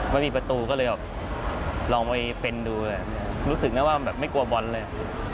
ไม่มีประตูก็เลยแบบลองไปเป็นดูรู้สึกนะว่าแบบไม่กลัวบอลเลย